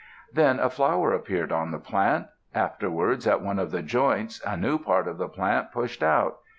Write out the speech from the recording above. Then a flower appeared on the plant. Afterwards, at one of the joints, a new part of the plant pushed out.